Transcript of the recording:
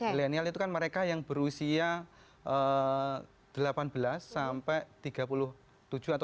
milenial itu kan mereka yang berusia delapan belas sampai tiga puluh tujuh atau